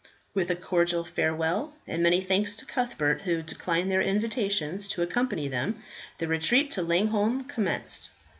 With a cordial farewell and many thanks to Cuthbert, who declined their invitations to accompany them, the retreat to Langholm commenced.